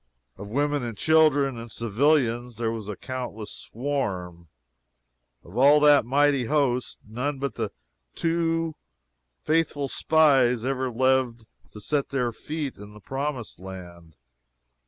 Of women and children and civilians there was a countless swarm. Of all that mighty host, none but the two faithful spies ever lived to set their feet in the Promised Land.